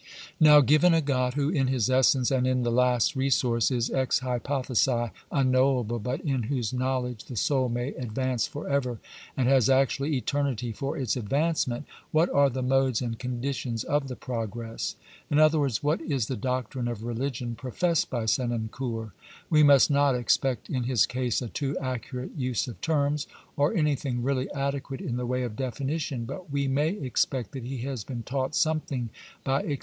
"^ Now, given a God who in his essence, and in the last resource, is ex hypothesi unknowable, but in whose know ledge the soul may advance for ever, and has actually eternity for its advancement, what are the modes and conditions of the progress ? In other words, what is the doctrine of religion professed by Senancour ? We must not expect in his case a too accurate use of terms, or anything really adequate in the way of definition, but we may expect that he has been taught something by experi 1 Libres Mt'ditations , p.